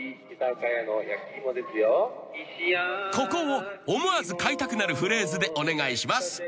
［ここを思わず買いたくなるフレーズでお願いします］